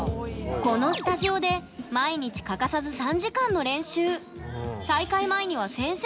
このスタジオで毎日欠かさず３時間の練習。